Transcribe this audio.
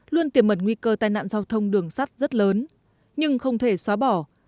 luôn tiềm mật nguy cơ tai nạn giao thông đường sát rất lớn nhưng không thể xóa bỏ